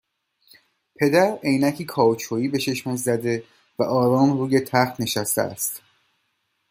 پدر عینکی کائوچویی به چشمش زده و آرام روی تخت نشسته است